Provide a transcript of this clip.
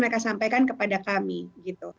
mereka sampaikan kepada kami gitu